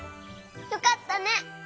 よかったね！